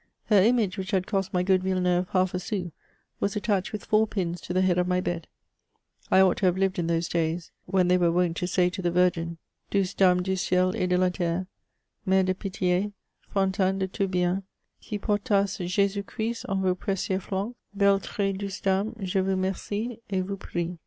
Her image which had cost my good Villeneuye half a sou, was attached with four pins to the head of my bed. I ought to have lived in those days when they were wont to say to the Virgin : Doulce Dame du Ciel et de la terre, Mhre de pitU, fontaine de tou$ biens, qui portastes J^sus^Christ en vos pretieulx flancz, helle tr}is doulce Dameje vous mercy e et vous prye.